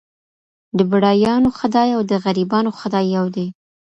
د بډایانو خدای او د غریبانو خدای یو دی.